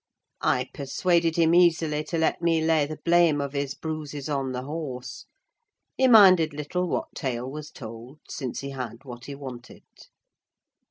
I persuaded him easily to let me lay the blame of his bruises on the horse: he minded little what tale was told since he had what he wanted.